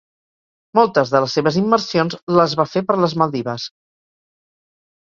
Moltes de les seves immersions les va fer per les Maldives.